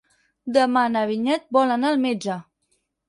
Demà na Vinyet vol anar al metge.